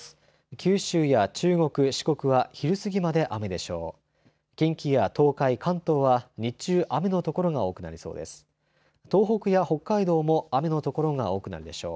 九州や中国、四国は昼過ぎまで雨でしょう。